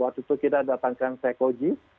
waktu itu kita datangkan sekoji